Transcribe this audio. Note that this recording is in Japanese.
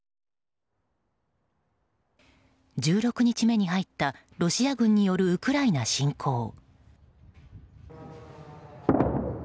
１６日目に入ったロシア軍によるウクライナ侵攻。